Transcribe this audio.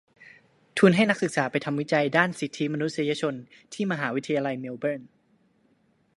ทุนให้นักศึกษาไปทำวิจัยด้านสิทธิมนุษยชนที่มหาวิทยาลัยเมลเบิร์น